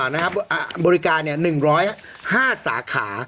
นะครับบริการ๑๐๕สาขา